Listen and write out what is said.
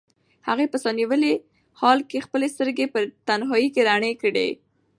هغې په ساه نیولي حال کې خپلې سترګې په تنهایۍ کې رڼې کړې.